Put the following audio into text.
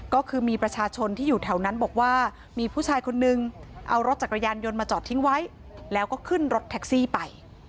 ก็คือมีประชาชนที่อยู่แถวนั้นบอกว่ามีผู้ชายคนนึงเอารถจักรยานยนต์มาจอดทิ้งไว้แล้วก็ขึ้นรถแท็กซี่ไป